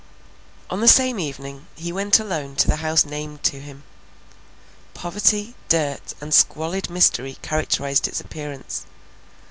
On the same evening, he went alone to the house named to him. Poverty, dirt, and squalid misery characterized its appearance.